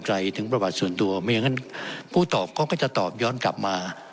ถึงประวัติส่วนตัวไม่อย่างนั้นผู้ตอบเขาก็จะตอบย้อนกลับมา